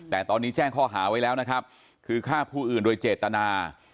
แต่ตอนนี้แจ้งข้อหาไว้แล้วนะครับคือฆ่าผู้อื่นโดยเจตนา